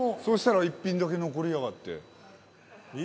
そしたら１ピンだけ残りやがって。